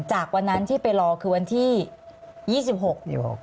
จากวันนั้นที่ไปรอคือวันที่ยี่สิบหกยี่สิบหก